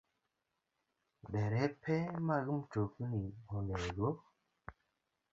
Derepe mag mtokni onego